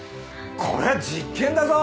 これは実験だぞ。